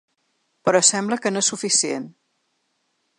Però sembla que no és suficient.